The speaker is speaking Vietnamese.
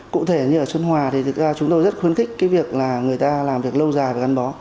cụ thể như ở xuân hòa thì thực ra chúng tôi rất khuyến khích cái việc là người ta làm việc lâu dài và gắn bó